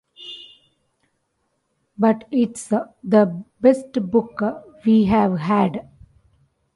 But it's the best book we've had.